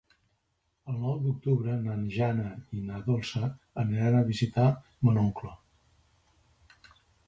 El nou d'octubre na Jana i na Dolça aniran a visitar mon oncle.